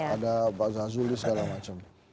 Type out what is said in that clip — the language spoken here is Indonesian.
ada pak zazulis segala macam